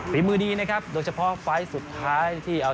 ฝีมือนี่นะครับโดยเฉพาะความฟังที่สุดท้าย